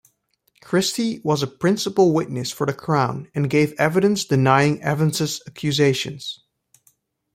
Christie was a principal witness for the Crown and gave evidence denying Evans's accusations.